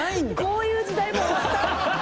こういう時代も終わった？